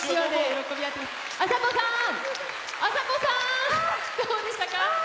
あさこさん、どうでしたか？